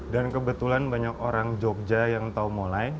dan kebetulan banyak orang jogja yang tahu molai